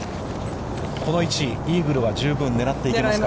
この位置、イーグルは、十分、狙っていけますか。